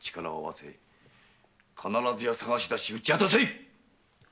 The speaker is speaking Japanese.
必ずや捜し出し討ち果たせ。